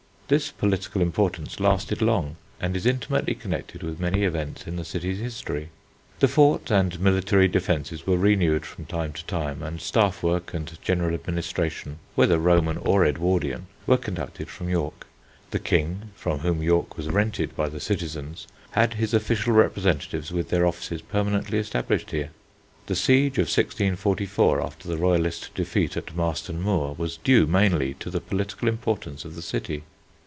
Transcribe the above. This political importance lasted long and is intimately connected with many events in the city's history. The fort and military defences were renewed from time to time, and staff work and general administration, whether Roman or Edwardian, were conducted from York. The king, from whom York was rented by the citizens, had his official representatives with their offices permanently established here. The siege of 1644 after the royalist defeat at Marston Moor, was due mainly to the political importance of the city.